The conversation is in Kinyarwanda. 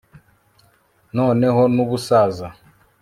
noneho n'ubusaza